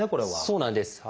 そうなんです。